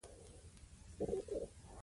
دوی به د غرب عقیده ماته کړې وي.